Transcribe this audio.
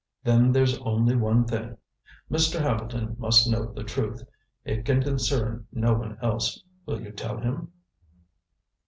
"Then there's only one thing. Mr. Hambleton must know the truth. It can concern no one else. Will you tell him?"